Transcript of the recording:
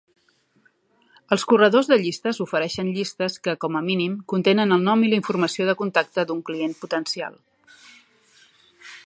Els corredors de llistes ofereixen llistes que, com a mínim, contenen el nom i la informació de contacte d'un client potencial,